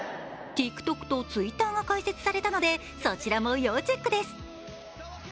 ＴｉｋＴｏｋとＴｗｉｔｔｅｒが開設されたので、そちらも要チェックです。